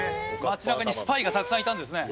街なかにスパイがたくさんいたんですね。